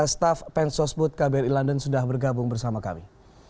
staf pensosbud kbri london sudah bergabung bersama kami